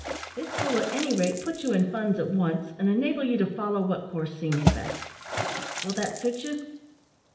This will, at any rate, put you in funds at once, and enable you to follow what course seems best. Will that suit you?"